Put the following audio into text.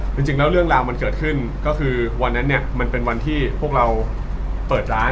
จริงแล้วเรื่องราวมันเกิดขึ้นก็คือวันนั้นเนี่ยมันเป็นวันที่พวกเราเปิดร้าน